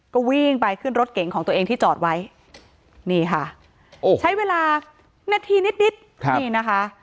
ก็วิ่งไปขึ้นรถเก๋งของตัวเองที่จอดไว้นี่ค่ะใช้เวลานาทีนิดนิดนี่นะคะ